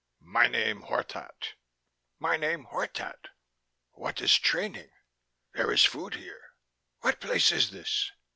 "My name Hortat. My name Hortat." "What is training?" "There is food here." "What place is this?"